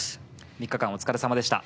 ３日間お疲れさまでした。